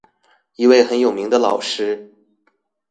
一位很有名的老師